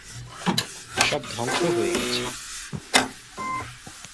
সব ধ্বংস হয়ে গেছে।